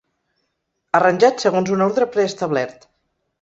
Arranjats segons un ordre preestablert.